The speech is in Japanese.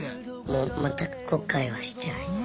もう全く後悔はしてないです。